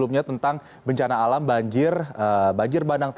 nah atau angin pasat